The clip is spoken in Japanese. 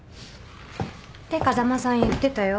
って風間さん言ってたよ。